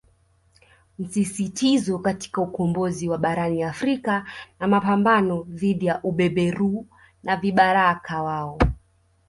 Msisitizo katika ukombozi wa Barani Afrika na mapambano dhidi ya ubeberu na vibaraka wao